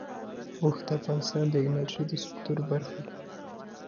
اوښ د افغانستان د انرژۍ د سکتور برخه ده.